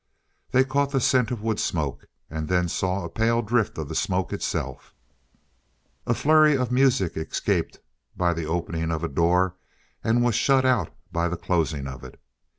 They caught the scent of wood smoke, and then saw a pale drift of the smoke itself. A flurry of music escaped by the opening of a door and was shut out by the closing of it.